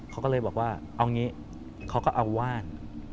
เขาก็เลยบอกว่าเอางี้เขาก็เอาว่าน